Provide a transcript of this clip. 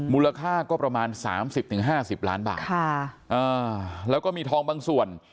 มูลค่าก็ประมาณ๓๐๕๐ล้านบาทแล้วก็มีทองบางส่วน